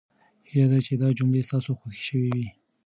هیله ده چې دا جملې ستاسو خوښې شوې وي.